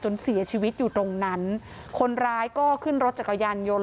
เสียชีวิตอยู่ตรงนั้นคนร้ายก็ขึ้นรถจักรยานยนต์